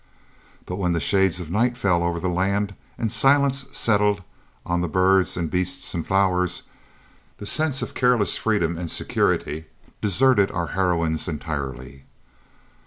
But when the shades of night fell over the land, and silence settled on the birds and beasts and flowers, the sense of careless freedom and security deserted our heroines entirely.